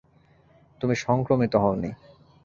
তুমি সংক্রমিত হওনি।